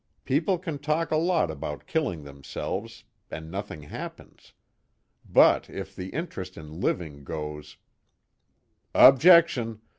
People can talk a lot about killing themselves, and nothing happens. But if the interest in living goes " "Objection!